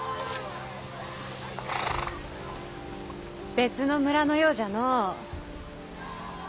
別の村のようじゃの。